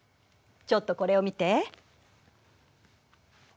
ちょっとこれを見て。